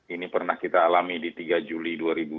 ini pernah kita alami di tiga juli dua ribu dua puluh